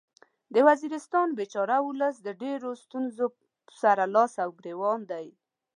د وزیرستان بیچاره ولس د ډیرو ستونځو سره لاس او ګریوان دی